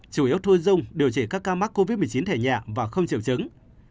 chủ yếu thu dung điều trị các ca mắc covid một mươi chín thể nhẹ và không chịu chứng